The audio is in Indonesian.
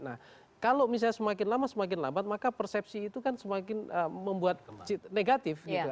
nah kalau misalnya semakin lama semakin lambat maka persepsi itu kan semakin membuat negatif gitu